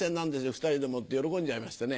２人でもって喜んじゃいましてね。